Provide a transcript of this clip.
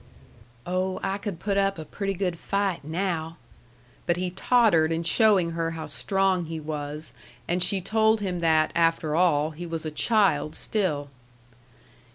"Oh, I could put up a pretty good fight now!" But he tottered in showing her how strong he was, and she told him that, after all, he was a child still.